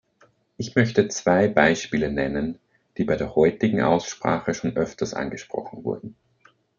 Ich möchte zwei Beispiele nennen, die bei der heutigen Aussprache schon öfters angesprochen wurden.